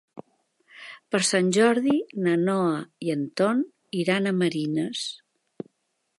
Per Sant Jordi na Noa i en Ton iran a Marines.